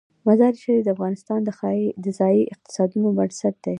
مزارشریف د افغانستان د ځایي اقتصادونو بنسټ دی.